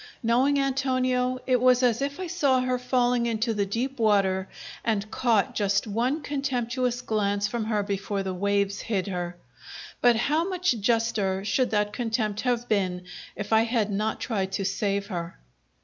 Knowing Antonio, it was as if I saw her falling into the deep water and caught just one contemptuous glance from her before the waves hid her. But how much juster should that contempt have been if I had not tried to save her!